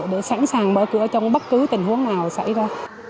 để sẵn sàng mở cửa trong bất cứ tình huống nào xảy ra